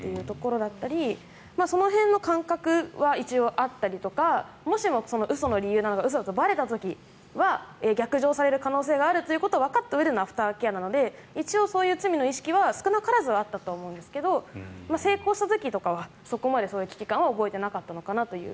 その辺の感覚は一応あったり嘘の理由だとか嘘だとばれた時は逆上されることがあるということを分かったうえでのアフターケアなので一応、そういう罪の意識は少なからずはあったと思うんですが成功した時とかはそこまでそういう危機感は覚えていなかったのかなという。